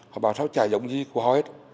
họ bảo sao chả giống như của họ hết